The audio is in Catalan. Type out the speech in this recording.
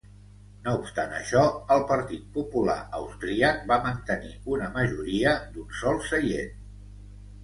No obstant això, el Partit Popular austríac va mantenir una majoria d'un sol seient.